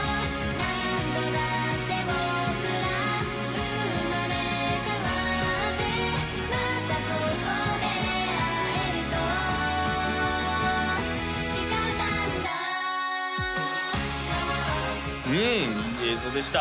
何度だって僕ら生まれ変わってまたここで会えると誓ったんだうんいい映像でした